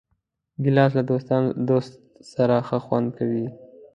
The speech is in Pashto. ګیلاس له دوست سره ښه خوند کوي.